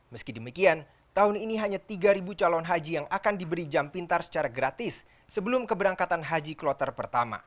meski demikian tahun ini hanya tiga calon haji yang akan diberi jam pintar secara gratis sebelum keberangkatan haji kloter pertama